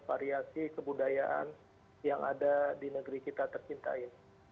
variasi kebudayaan yang ada di negeri kita tercintai